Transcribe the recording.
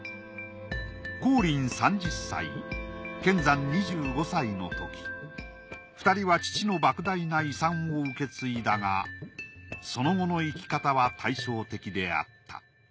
光琳３０歳乾山２５歳のとき２人は父のばく大な遺産を受け継いだがその後の生き方は対照的であった。